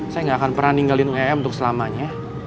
saya nggak akan pernah ninggalin uem untuk selamanya